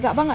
dạ vâng ạ